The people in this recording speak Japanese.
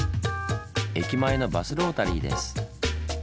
駅前のバスロータリーです。